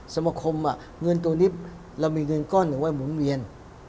สมคมเงินตัวนี้เรามีเงินก้อนหนึ่งไว้หมุนเวียน